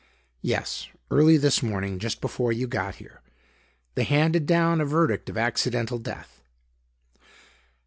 "Yes; early this morning; just before you got here. They handed down a verdict of accidental death."